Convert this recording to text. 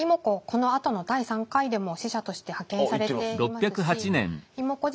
このあとの第３回でも使者として派遣されていますし妹子